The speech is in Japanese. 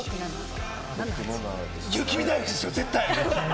雪見だいふくですよ、絶対。